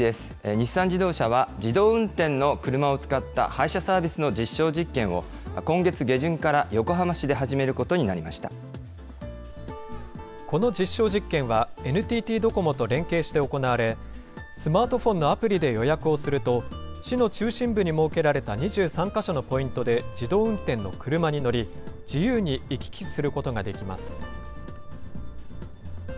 日産自動車は、自動運転の車を使った配車サービスの実証実験を、今月下旬から横浜市で始めることこの実証実験は、ＮＴＴドコモと連携して行われ、スマートフォンのアプリで予約をすると、市の中心部に設けられた２３か所のポイントで自動運転の車に乗り、自由に行き来することができます。